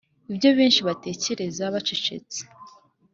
ibyo benshi batekereza bacecetse,